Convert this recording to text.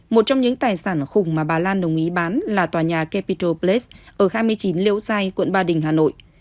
một trong những tài sản khủng mà bà lan đồng ý bán là tòa nhà capital place ở hai mươi chín liễu giai quận ba đình hà nội